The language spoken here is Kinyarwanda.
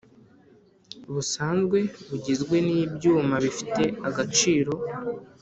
busanzwe bigizwe n ibyuma bifite agaciro